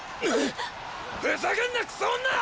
ふざけんなクソ女！